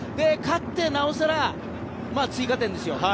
勝ってなおさら、追加点ですよ。